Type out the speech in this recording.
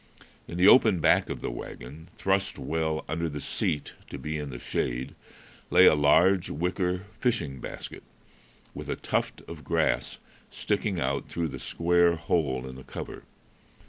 In the open back of the wagon, thrust well under the seat to be in the shade, lay a large wicker fishing basket, with a tuft of grass sticking out through the square hole in the cover.